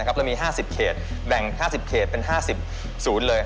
เรามี๕๐เคฎแบ่ง๕๐เคฎเป็น๕๐ศูนย์